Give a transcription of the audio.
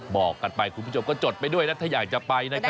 บอกกันไปคุณผู้ชมก็จดไปด้วยนะถ้าอยากจะไปนะครับ